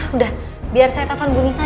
udah biar saya telepon bu nisa